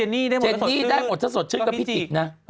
ท่านมีได้หมดถ้าสดชื่อก็พี่จิกนะ